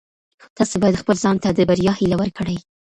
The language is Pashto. تاسي باید خپل ځان ته د بریا هیله ورکړئ.